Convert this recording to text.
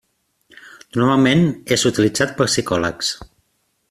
Normalment és utilitzat pels psicòlegs.